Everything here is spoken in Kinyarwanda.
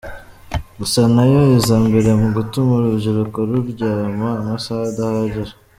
Gusa nayo iza imbere mu gutuma urubyiruko ruryama amasaha adahagije.